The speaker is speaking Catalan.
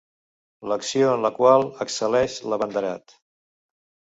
L'acció en la qual excel·leix l'abanderat.